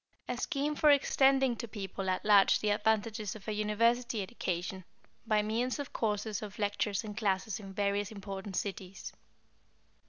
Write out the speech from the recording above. = A scheme for extending to people at large the advantages of a university education, by means of courses of lectures and classes in various important cities.